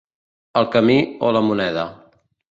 El camí o la moneda.